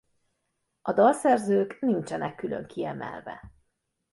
A dalszerzők nincsenek külön kiemelve.